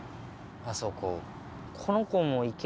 あそこ。